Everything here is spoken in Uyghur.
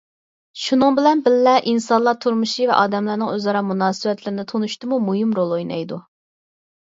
شۇنىڭ بىلەن بىللە ئىنسانلار تۇرمۇشى ۋە ئادەملەرنىڭ ئۆزئارا مۇناسىۋەتلىرىنى تونۇشتىمۇ مۇھىم رول ئوينايدۇ.